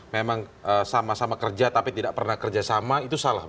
memang sama sama kerja tapi tidak pernah kerjasama itu salah